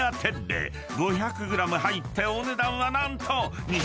［５００ｇ入ってお値段は何と］